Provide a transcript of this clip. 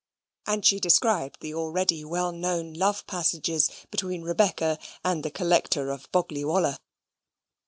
and she described the already well known love passages between Rebecca and the Collector of Boggley Wollah.